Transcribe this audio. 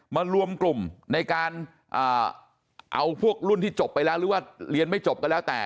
มารวมกลุ่มในการเอาพวกรุ่นที่จบไปแล้วหรือว่าเรียนไม่จบก็แล้วแต่